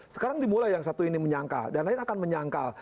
sekarang dimulai yang satu ini menyangka dan lain akan menyangkal